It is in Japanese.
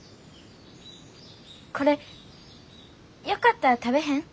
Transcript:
これよかったら食べへん？